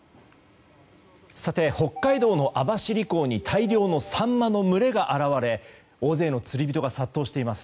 北海道の網走港に大量のサンマの群れが現れ大勢の釣り人が殺到しています。